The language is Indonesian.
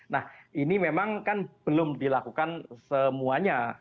nah ini memang kan belum dilakukan semuanya